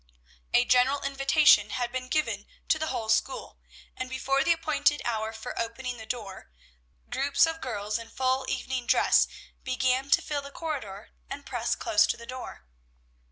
A general invitation had been given to the whole school, and before the appointed hour for opening the door, groups of girls in full evening dress began to fill the corridor and press close to the door.